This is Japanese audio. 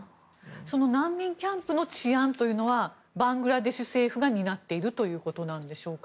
難民キャンプの治安というのはバングラデシュ政府が担っているということでしょうか。